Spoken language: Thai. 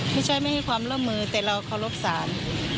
ที่ใช้มั่นอย่างล่อมมือแต่เรเคารพสัญ